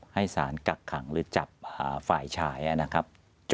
ให้สารกักขังหรือจับฝ่ายชายนะครับ